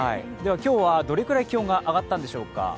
今日はどれぐらい気温が上がったんでしょうか。